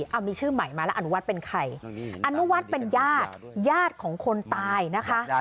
เอามีชื่อใหม่มาแล้วอนุวัฒน์เป็นใครอนุวัฒน์เป็นญาติญาติของคนตายนะคะ